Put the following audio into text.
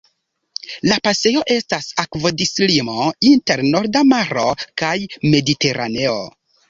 La pasejo estas akvodislimo inter Norda Maro kaj Mediteraneo.